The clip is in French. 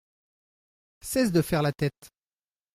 Cesse de faire la tête !